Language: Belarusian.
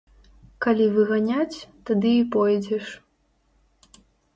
Калі выганяць, тады і пойдзеш.